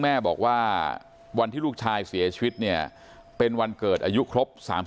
แม่บอกว่าวันที่ลูกชายเสียชีวิตเนี่ยเป็นวันเกิดอายุครบ๓๐